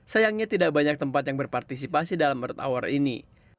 sayangnya tidak banyak tempat yang berpartisipasi dalam earth hour ini